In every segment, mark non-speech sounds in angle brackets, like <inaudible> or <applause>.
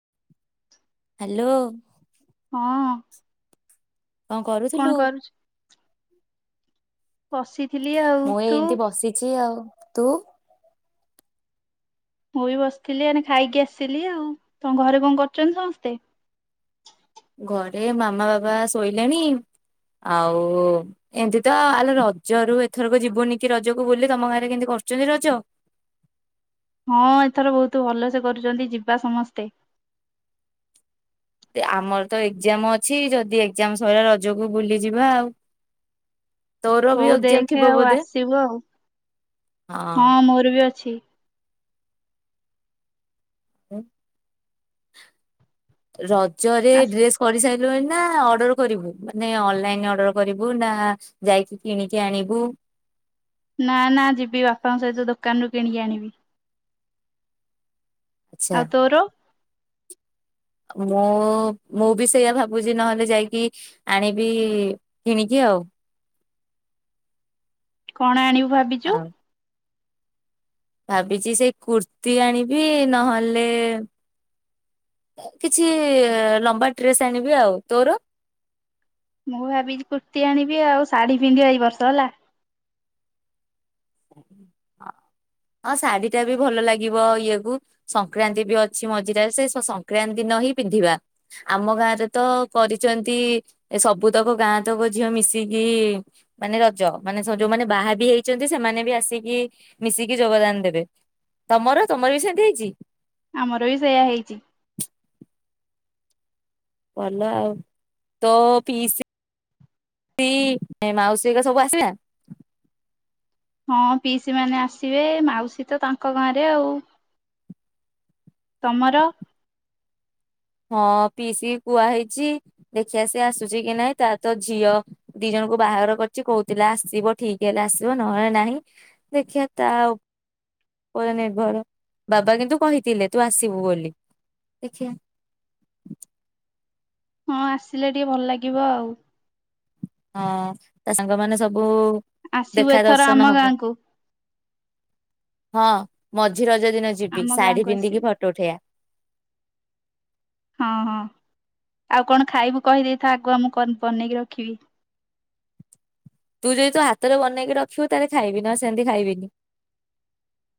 <inaudible> Hello. ହଁ। କଣ କରୁଥିଲୁ? ବଶିଥିଲି ଆଉ ମୁଁ ଏଇ ତୁ? ଏମିତି ବସିଛି ଆଉ ତୁ। ମୁଁ ବି ବସିଥିଲି ଏଇନା ଖାଇକି ଆସିଥିଲି ଆଉ ତମ ଘରେ କଣ କରୁଛନ୍ତି ସମସ୍ତେ? ଘରେ ମାମା ବାଵା ଶୋଇଲେଣି ଆଉ ଏମିତି ତ ଆଲୋ ରଜ ରୁ ଏଥରକ ଯିବୁନି କି ରଜକୁ ବୁଲି ତମ ଗାଁରେ କେମିତି କରୁଛନ୍ତି ରଜ? ହଁ ଏଥର ବହୁତ ଭଲ ସେ କରୁଛନ୍ତି ଯିବା ସମସ୍ତେ। ଆମର ତ ଏକ୍ଜାମ ଅଛି ଯଦି ଏକଜାମ ସରିଲା ରଜକୁ ବୁଲିଯିବା ଆଉ। ତୋର ବି ହଉ ଏକ୍ଜାମ ଦେଖେ ଥିବ ଆଉ ବୋଧେ ଆସିବୁ ଆଉ ହଁ ମୋର ବି ଅଛି। ହଁ। ର ଜରେ ଆସ ଡ୍ରେସ କରି ସାରି ଅର୍ର କରିବୁ ମାନେ ଅନଲାଇନ ଅର୍ଡର କରିବୁ ନା ଯାଇକି କିଣିକି ଆଣିବୁ? ନା ନା ଯିବି ବାପାଙ୍କ ସହିତ ଦୋକାନରୁ କିଣିକି ଆଣିବି। ଆଚ୍ଛା ଆଉ ତୋର? ମୁଁ ମୁଁ ବି ସେଇଆା ଭାବୁଛି ନହେଲେ ଯାଇକି ଆଣିବି କିଣିକି ଆଉ। କଣ ଆଣିବ? ଭାବିଛୁ। ଆଉ ଭାବିଛି ସେଇ କୁର୍ତି ଆଣିବି ନହେଲେ କିଛି ଲମ୍ବା ଡ୍ରେସ ଆଣିବି ଆଉ ତୋର? ମୁଁ ଭାବି କୁର୍ତ୍ତିୀ ଆଣିବି ଆଉ ଶାଢୀ ପିନ୍ଧିବ ଏଇ ବର୍ଷ ହେଲା? ହଁ ଶାଢୀ ଟା ବି ଭଲ ଲାଗିବ ଇଏ କୁ ସଂକ୍ରାନ୍ତି ବି ଅଛି ମଝିରେରେ ସେ ସଂକ୍ରାନ୍ତିିନ ହିଁ ପିନ୍ଧିବା ଆମ ଗାଁରେ ତ କରିଛନ୍ତି ସବୁତକ ଗାଁ ତକ ଝିଅ ମିଶିକି ମାନେ ରଜ ମାନେ ଯୋଉମାନେ ବାହା ବି ହେଇଛନ୍ତି ସେମାନେ। ଆସିକି ମିଶିକି ଯୋଗଦାନ ଦେବେ ତମର ତମର ବି ସେମତି ହେଇଛି? ଆମର ବି ସେଇୟା ହେଇଛି। ଭଲ ଆଉ ତୋ ପିସି ଆଉ ମାଉସୀ ସବୁ ଆସିବା। ହଁ ପିଇସି ମାନେ ଆସିବେ ମାଉସୀ ତ ତାଙ୍କ ଗାଁରେ ଆଉ। ତମର? ହଁ ପିସିକି କୁହା ହେଇଛି ଦେଖିବା ସେି ଆସୁଛି କି ନାହିଁ ତା ତ ଝିଅ ଦି ଜଣଙ୍କୁ ବାହାଘର କରିଛି କହୁଥିଲେ ଆସିବ ଠିକ ହେଲେ ଆସିବ ନହେଲେ ନାହିଁ ଦେଖିବା ତା ଆ ପ ନିର୍ଭର ବାବା କିନ୍ତୁ କହିଥିଲେ ତୁ ଆସିବୁ ବୋଲି ଦେଖ। ହଁ ଆସିଲେ ଟିକେ ଭଲ ଲାଗିବ ଆଉ। ହଁ ତା ସାଙ୍ଗମାନେ ସବୁ ଆସିବୁ ଦେଖା ଏଥର ଦର୍ଶନ ଆମ ହବ ଗାଁକୁ ହଁ ମଜା ଝି ରଜ ଦିନ ଯିବି ଆମ ଶାଢୀ ଗାଁକୁ ପିନ୍ଧିକି ଆସିବୁ ଫଟୋ ଉଠେଇବା। ହଁ ହଁ ଆଉ କଣ ଖାଇବୁ କହିଦେଇଥା ଆଗୁଆ ମୁଁ ବନେଇକି ରଖିବି। ତୁ ଯଦି ତୁ ହାତରେ ବନେଇକି ରଖିବୁ ତାହେଲେ ଖାଇବିନି ଆଉ ସେମିତି ଖାଇବିନି।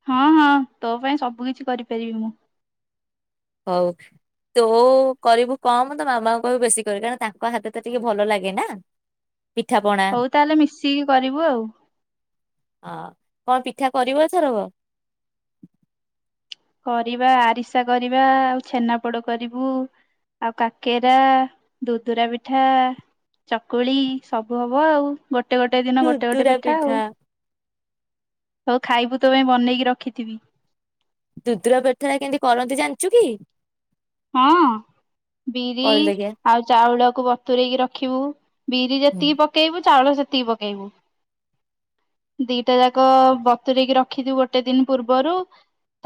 ହଁ ହଁ ତୋ ପାଇଁ ସବୁ କିିଛି କରିପାରିବି ମୁଁ। ହଉ ତୁ କରିବୁ କମ ତ ମାମାଙ୍କୁ କହିବୁ ବେଶୀ କରିବୁ କାରଣ ତାଙ୍କ ହାତ ତ ଟିକେ ଭଲ ଲାଗେ ନା ପିଠା ପଣା ହଉ ତାହେଲେ ମିଶିକି କରିବୁ ଆଉ। ହଁ କଣ ପିଠା କରିବ ଏଥରକ। କରିବା ଆରିସା କରିବା ଆଉ ଛେନାପୋଡ କରିବୁ ଆଉ କାକେରା ଦୁଦୁରା ପିଠା ଚକୁଳି ସବୁ ହବ ଆଉ। ଗୋଟେ ଗୋଟେ ଦିନ ଗୋଟେ ଗୋଟେ ପିଠା ଆଉ। ହଉ ଖାଇବୁ ତ ପାଇଁ ବନେଇକି ରଖିଥିବି। ଦୁଦୁରା ପିଠାରେ କେମତି କରନ୍ତି ଜାଣିଛୁ କି? ହଁ ବିରି କହିଲୁ ଦେଖିଆ? ଆଉ ଚାଉଳକୁ ବତୁରଇକି ରଖିବୁ ବିରି ହୁଁ ଯେତିକି ପକେଇବୁ ଚାଉଳ ସେତିକି ପକେଇବୁ ଦିଟା ଯାକ ବତୁରଇକି ରଖିଦିବୁ ଗୋଟେ ଦିନ ପୂର୍ବରୁ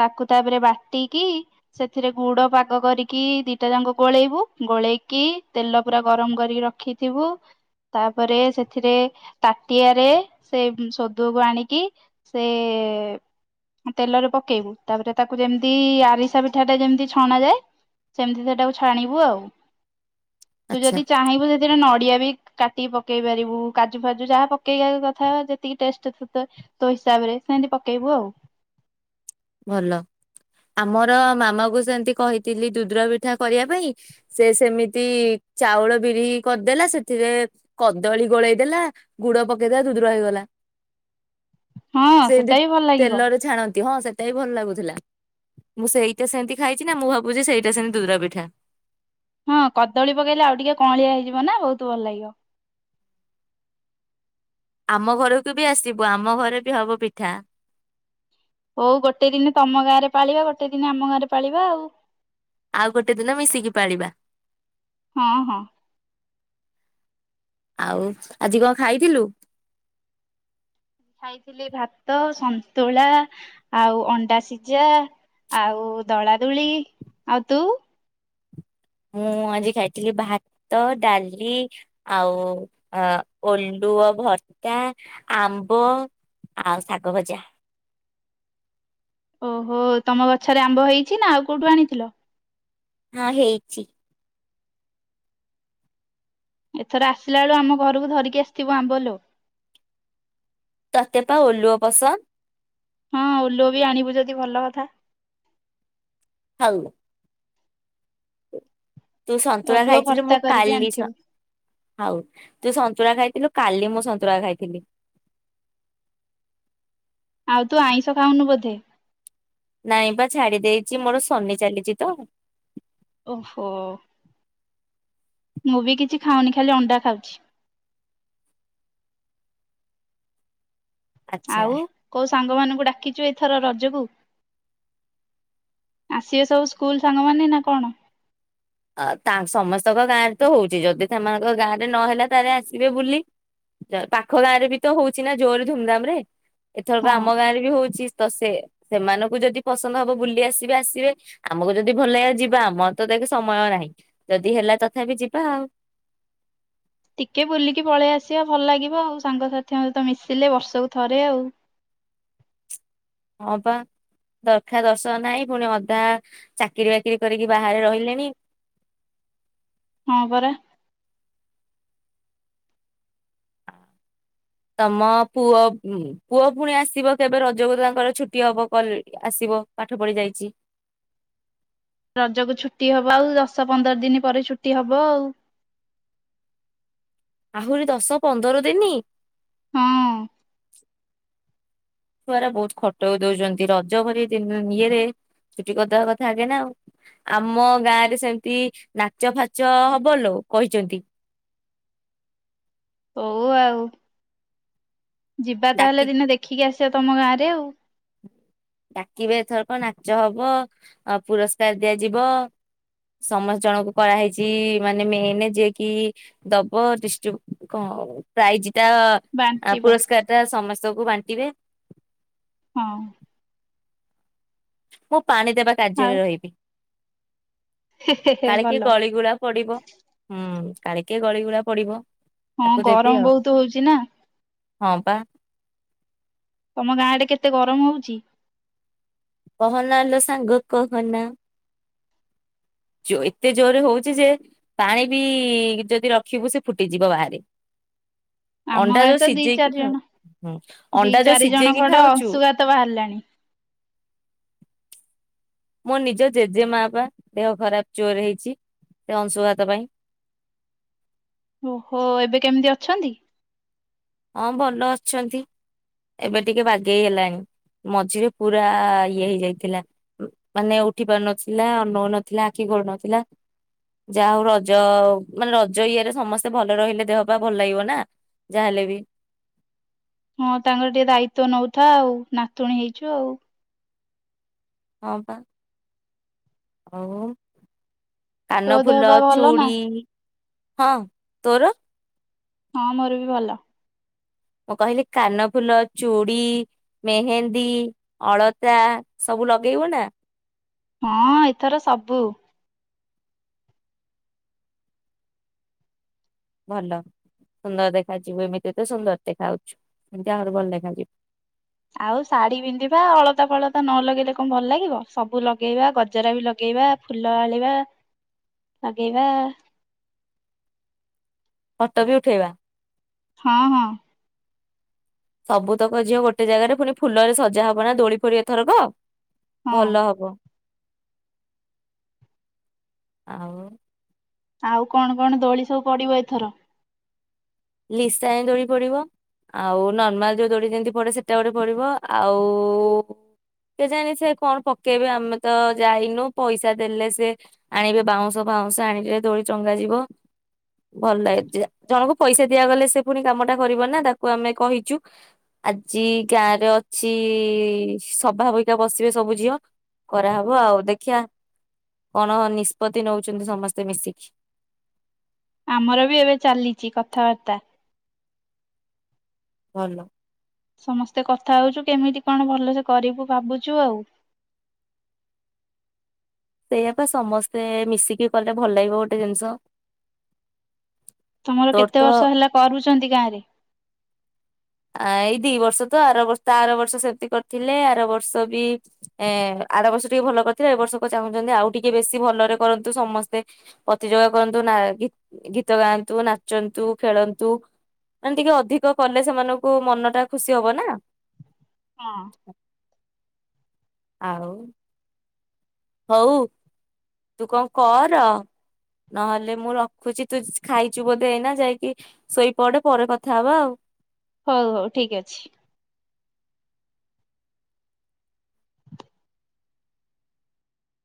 ତାକୁ ତାପରେ ବାଟିକି ସେଥିରେ ଗୁଡ ପା ଆାଗ କରିକି ଦିଟା ଯାକ ଗୋଳେଇବୁ ଗୋଳେଇକି ତେଲ ପୁରା ଗରମ କରିକି ରଖିଥିବୁ ତାପରେ ସେଥିରେ ତାଟିଆରେ ସେ ସଦୁଅକୁ ଆଣିକି ସେ ତେଲରେ ପକେଇବୁ ତାପରେ ତାକୁ ଯେମିତି ଆରିସା ପିଠାଟା ଯେମିତି ଛଣାଯାଏ ସେମିତି ସେଟାକୁ ଛାଣିବୁ ଆଉ। ତୁ ଆଚ୍ଛା ଯଦି ଚାହିଁବୁ ସେଥିରେ ନଡିଆ ବି କାଟିକି ପକେଇ ପାରିବୁ କାଜୁ ଫାଜୁ ଯାହା ପକେଇବା କଥା ଯେତିକି ଟେଷ୍ଟ ତ ତୋ ହିସାବରେ ସେମିତି ପକେଇବୁ ଆଉ। ଭଲ ଆମର ମାମା କୁ ସେମିତି କହିଥିଲି ଦୁଦୁରା ପିଠା କରିବା ପାଇଁ ସେ ସେମିତି ଚାଉଳ ବିରି କରିଦେଲା ସେଥିରେ କଦଳୀ ଗୋଳେଇ ଦେଲା ଗୁଡ ପକେଇଦେଲା ଦୁଦୁରା ହେଇଗଲା। ହଁ ସେମତି ସେଟା ବି ଭଲ ଲାଗିବ ତେଲରେ ଛାଣନ୍ତି ହଁ ସେ ଭଲ ଲାଗୁଥିଲା ମୁଁ ସେଇଟା ସେମିତି ଖାଇଛି ନା ମୁଁ ଭାବୁଛି ସେଇଟା ସେମିତି ଦୁଦୁରା ପିଠା। ହଁ କଦଳୀ ପକେଇଲେ ଆଉ ଟିକେ କଅଁଳିଆ ହେଇଯିବ ନା ବହୁତ ଭଲ ଲାଗିବ। ଆମ ଘରକୁ ବି ଆସିବୁ ଆମ ଘରେ ବି ହବ ପିଠା। ହଉ ଗୋଟେ ଦିନ ତମ ଗାଁରେ ପାଳିବା ଗୋଟେ ଦିନ ଆମ ଗାଁରେ ପାଳିବା ଆଉ। ଆଉ ଗୋଟେ ଦିନ ମିଶିକି ପାଳିବା। ହଁ ହଁ। ଆଉ ଆଜି କଣ ଖାଇଥିଲୁ? ଖାଇଥିଲି ଭାତ ସନ୍ତୁଳା ଆଉ ଅଣ୍ଡା ସିଝା ଆଉ ଦଳାଦୁଳି ଆଉ ତୁ ମୁଁ ଆଜି ଖାଇଥିଲି ଭାତ ଡାଲି ଆଉ ଓଲୁଅ ଭର୍ତା ଆମ୍ବ ଆଉ ଶାଗ ଭଜା। ଓହୋ ତମ ଗଛରେ ଆମ୍ବ ହେଇଛି ନା ଆଉ କୋଉଠୁ ଆଣିଥିଲ। ହଁ ହେଇଛି। ଏଥର ଆସିଲା ବେଳୁ ଆମ ଘରକୁ ଧରିକି ଆସିଥିବୁ ଆମ୍ବ ଲୋ। ତତେ ତ ଓଲୁଅ ପସନ୍ଦ। ହଁ ଓଲୁଅ ବି ଆଣିବୁ ଯଦି ଭଲ କଥା। ହଉ। <inaudible> ତୁ ସନ୍ତୁଳା ଓଲୁଅ ଖାଇଥିଲୁ ଭର୍ତ୍ତା ମୁଁ କରିକି କାଲି ସ ଆଣିଥିବୁ ହଉ ତୁ ସନ୍ତୁଳା ଖାଇଥିଲୁ। କାଲି ମୁଁ ସନ୍ତୁଳା ଖାଇଥିଲି। ଆଉ ତୁ ଆଇଁଷ ଖାଉନୁ ବୋଧେ। ନାଇଁ ବା ଛାଡି ଦେଇଛି ମୋର ଶନି ଚାଲିଚି ତ। ଓହୋ ମୁଁ ବି କିଛି ଖାଉନି ଖାଲି ଅଣ୍ଡା ଖାଉଛି। ଆଚ୍ଛା। ଆଉ କୋଉ ସାଙ୍ଗ ମାନଙ୍କୁ ଡାକିଛୁ ଏଇଥର ର ଜ କୁ ଆସିବେ ସବୁ ସ୍କୁଲ ସାଙ୍ଗ ମାନେନା କଣ? ତା ସମସ୍ତଙ୍କ ଗାଁ ରେ ତ ହଉଛି ଯଦି ସେମାନଙ୍କ ଗାଁ ରେ ନହେଲା ତାହେଲେ ଆସିବେ ବୁଲି ଯ ପାଖ ଗାଁ ରେ ବି ତ ହଉଛିି ନା ଜୋରେ ଧୁମଧାମ ରେ। ଏଥରକ ଆମ ହଁ ଗାଁ ରେ ବି ହଉଛି। ତ ସେ ସେମାନଙ୍କୁ ଯଦି ପସନ୍ଦ ହବ ବୁଲି ଆସିବେ ଆସିବେ ଆମକୁ ଯଦି ଭଲ ଲାଗିଲା ଯିବା ଆମର ତ ଦେଖେ ସମୟ ନାହିଁ ଯଦି ହେଲା ତଥାପି ଯିବା ଆଉ। ଟିକେ ବୁଲିକି ପଳେଇ ଆସିବା ଭଲ ଲାଗିବ ଆଉ ସାଙ୍ଗସାଥିଙ୍କ ସହିତ ମିଶିଲେ ବର୍ଷକୁ ଥରେ ଆଉ। ହଁ ବା ଦରଖା ଦର୍ଶନ ନାହିଁ ପୁଣି ଅଧା ଚାକିରି ବାକିରି କରିକି ବାହାରେ ରହିଲେଣି। ହଁ ପରା। ତମ ପୁଅ ଉମ ପୁଅ ପୁଣି ଆସିବ କେବେ ରଜକୁ ତାଙ୍କର ଛୁଟି ହବ ଆସିବ ପାଠ ପଢି ଯାଇଛି। ରଜକୁ ଛୁଟି ହବ ଆଉ ଦଶ ପନ୍ଦର ଦିନ ପରେ ଛୁଟି ହବ ଆଉ। ଆହୁରି ଦଶ ପନ୍ଦର ଦିନି। ହଁ। ଛୁଆ ଗରା ବହୁତ ଖଟଉ ଦଉଛନ୍ତି ରଜ ଭରି ଦିନ ଇଏରେ ଛୁଟି କରିଦବା କଥା ଆଗେନା ଆଉ ଆମ ଗାଁ ରେ ସେମିତି ନାଚ ଫାଚ ହବ ଲୋ କହିଛନ୍ତି। ହଉ ଆଉ। ଯିବା ତାହେଲେ ଡାକି ଦିନେ ଦେଖିକି ଆସି ତମ ଗାଁ ରେ ଆଉ। ଡାକିବେ ଏଥରକ ନାଚ ହବ ଅ ପୁରସ୍କାର ଦିଆଯିବ ସମସ୍ତ ଜଣଙ୍କୁ କରାହେଇଛି ମାନେ ମେନ ଯିଏ କି ଦବ ଡିଷ୍ଟ୍ରିବ୍ୟୁ କ ପ୍ରାଇଜ ଆ ବାଣ୍ଟିବ ପୁରସ୍କାର ଟା ସମସ୍ତ ସବୁ ବାଣ୍ଟିବେ। ହଁ। ଓ। ପାଣି ଦେବା ଆଉ କାର୍ଯ୍ୟରେ ରହିବି। ହେ ହେ ହେ କାଳେ କିଏ ଭଲ ଗଳିଗୁଳା ପଡିବ ହୁଁ। କାଳେ କିଆ ଗଳିଗୁଳା ପଡିବ। ହଁ ତାକୁ ଦେବି ଗରମ ଆଉ ବହୁତ ହଉଛି ନା। ହଁ ପା। ତମ ଗାଁ ଆଡେ କେତେ ଗରମ ହଉଛି? କହନାଲୋ ସାଙ୍ଗ କହନା। ଯୋ ଏତେ ଜୋରରେ ହଉଛି ଯେ ପାଣି ବି ଯଦି ରଖିବୁ ସେ ଫୁଟିଯିବ ବାହାରେ। ଆମ ଅଣ୍ଡା ଗାଁରେ ଯୋଉ ତ ଦି ସିଝେଇକି ଚାରି ଖାଉ ଜଣ ହୁଁ ଦି ଅଣ୍ଡା ଯୋଉ ଚାରି ଜଣ ସିଝେଇକି କୁଆଡେ ଖାଉଛୁ ଅଂଶୁଘାତ ବାହାରିଲାଣି। ମୋ ନିଜ ଜେଜେ ମା ପା ଦେହ ଖରାପ ଯୋରେ ହେଇଛି ସେ ଅଂଶୁଘାତ ପାଇଁ। ଓହୋ ଏବେ କେମିତି ଅଛନ୍ତି? ହଁ ଭଲ ଅଛନ୍ତି ଏବେ ଟିକେ ବାଗେଇ ହେଲାଣି ମଝିରେ ପୁରା ଇଏ ହେଇଯାଇଥିଲା ମାନେ ଉଠି ପାରୁନଥିଲା ଅନଉନଥିଲା ଆଖି ଖୋଲୁ ନଥିଲା ଯାହା ହଉ ରଜ ମାନେ ରଜ ଇଏରେ ସମସ୍ତେ ଭଲ ରହିଲେ ଦେହ ପା ଭଲ ଲାଗିବ ନା ଯାହାହେଲେ ବି। ହଁ ତାଙ୍କର ଟିକେ ଦାୟିତ୍ଵ ନଉଥା ଆଉ ନାତୁଣୀ ହେଇଛୁ ଆଉ। ହଁ ପା ଆଉ ତୋ କାନ ଦେହ ଫୁଲ ପା ଭଲ ନା? ଚୁଡ଼ି ହଁ ତୋର। ହଁ ମୋର ବି ଭଲ। ମୁଁ କହିଲି କାନଫୁଲ ଚୁଡି ମେହେନ୍ଦୀ ଅଳତା ସବୁ ଲଗେଇବୁ ନା। ହଁ ଏଥର ସବୁ ଭଲ ସୁନ୍ଦର ଦେଖା ଯିବୁ ଏମିତି ତ ସୁନ୍ଦର ଦେଖା ଯାଉଛୁ ଏମିତି ଆହୁରି ଭଲ ଦେଖା ଯିବୁ। ଆଉ ଶାଢ଼ୀ ପିନ୍ଧିବା ଅଳତା ଫଳତା ନ ଲଗେଇଲେ କଣ ଭଲ ଲାଗିବ ସବୁ ଲଗେଇବା ଗଜରା ବି ଲଗେଇବା ଫୁଲ ଆଣିବା ଲଗେଇବା। ଫଟ ବି ଉଠେଇବା। ହଁ ହଁ। ସବୁତକ ଝିଅ ଗୋଟେ ଜାଗାରେ ଫୁଣି ଫୁଲରେ ସଜା ହବ ନା ଦୋଳି ଫୋଳୀ ଏଥରକ। ହଁ ଭଲ ହବ। ଆଉ। ଆଉ କଣ କଣ ଦୋଳି ସବୁ ପଡିବ ଏଥର? ଲିଶାଣି ଦୋଳି ପଡିବ ଆଉ ନର୍ମାଲ ଯୋଉ ଦୋଳି ଯେମିତି ପଡେ ସେଟା ଗୋଟେ ପଡିବ ଆଉ କେଜାଣି ସେ କଣ ପକେଇବେ ଆମେ ତ ଯାଇନୁ ପଇସା ଦେଲେ ସେ ଆଣିବେ ବାଉଁଶ ଫାଉଁଶ ଆଣିଲେ ଦୋଳି ଟଙ୍ଗାଯିବ ଭଲ ଲାଗେ ଯେ ଜଣକୁ ପଇସା ଦିଆଗଲେ ସେ ପୁଣି କାମଟା କରିବ ନା ତାକୁ ଆମେ କହିଛୁ ଆଜି ଗାଁ ରେ ଅଛି ସଭାବିକା ବସିବେ ସବୁ ଝିଅ କରାହବ ଆଉ ଦେଖିବା କଣ ନିଷ୍ପତ୍ତି ନଉଛନ୍ତି ସମସ୍ତେ ମିଶିକି। ଆମର ବି ଏବେ ଚାଲିଛି କଥାବାର୍ତ୍ତା। ଭଲ। ସମସ୍ତେ କଥା ହୋଉଛୁ କେମିତି କଣ ଭଲସେ କରିବୁ ଭାବୁଛୁ ଆଉ। ସେଇଆପା ସମସ୍ତେ ମିଶିକି କଲେ ଭଲ ଲାଗିବ ଗୋଟେ ଜିନିଷ। ତମର ତୋର କେତେ ତ ବର୍ଷ ହେଲା କରୁଛ? ଛନ୍ତି ଗାଁ ରେ ଆ ଏଇ ଦି ବର୍ଷ ତ ଆର ବର୍ଷ ତା ଆର ବର୍ଷ ସେମତି କରିଥିଲେ ଆର ବର୍ଷ ବି ଏ ଆର ବର୍ଷ ଟିକେ ଭଲ କରିଥିଲେ ଏ ବର୍ଷକୁ ଚାହୁଁଛନ୍ତି ଆଉ ଟିକେ ବେଶୀ ଭଲରେ କରନ୍ତୁ ସମସ୍ତେ ପ୍ରତିଯୋଗ କରନ୍ତୁ ଗୀତ ଗାନ୍ତୁ ନାଚନ୍ତୁ ଖେଳନ୍ତୁ ମାନେ ଟିକେ ଅଧିକ କଲେ ସେମାନଙ୍କୁ କୁ ମନ ଟା ଖୁସି ହବ ନା। ହଁ। ଆଉ। ହଉ ତୁ କଣ କର ନହେଲେ ମୁଁ ରଖୁଛି। ତୁ ଖାଇଛୁ ବୋଧେ ଏଇନା ଯାଇକି ଶୋଇପଡେ ପରେ କଥା ହବାଆଉ। ହଉ ହଉ ଠିକ ଅଛି।